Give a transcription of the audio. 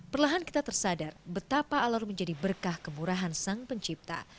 perlahan kita tersadar betapa alor menjadi berkah kemurahan sang pencipta